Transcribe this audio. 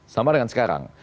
sama dengan sekarang